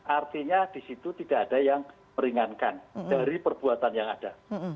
artinya di situ tidak ada yang meringankan dari perbuatan yang ada